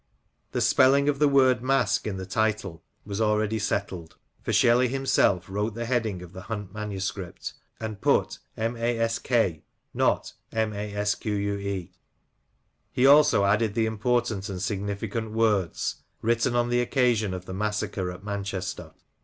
The spelling of the word Mask in the title was already settled ; for Shelley himself wrote the heading of the Hunt manuscript, and put Mask, not Masque. He also added the important and significant words, " written on the occasion of the massacre at Manchester."